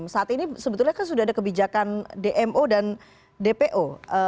saat ini sebetulnya kan sudah ada kebijakan dmo dan dpo